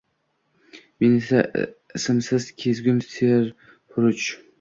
men esa ismsiz kezgum serhuruj.